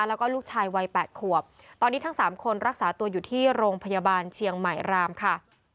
แล้วก็ลูกชายวัย๘ขวบตอนนี้ทั้งสามคนรักษาตัวอยู่ที่โรงพยาบาลเชียงใหม่รามค่ะ